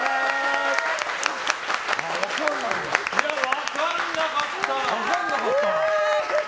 分かんなかった！